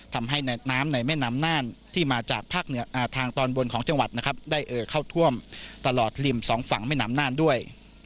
ทำให้น้ำในแม่น้ำน่านที่มาจากภาคเหนือทางตอนบนของจังหวัดนะครับได้เอ่อเข้าท่วมตลอดริมสองฝั่งแม่น้ำน่านด้วย